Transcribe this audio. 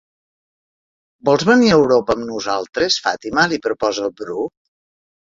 Vols venir a Europa amb nosaltres, Fàtima? —li proposa el Bru.